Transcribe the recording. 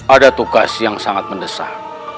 ada tugas yang sangat mendesak